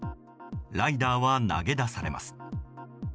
ライダーは投げ出されます。